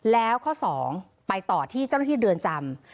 แล้วข้อ๒ไปต่อที่เจ้าหน้าที่เรือนจำ